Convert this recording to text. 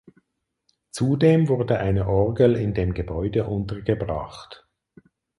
Zudem wurde eine Orgel in dem Gebäude untergebracht.